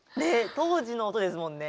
当時の音ですもんね。